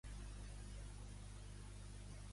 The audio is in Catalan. Quin comentari fa Heròdot d'Alos?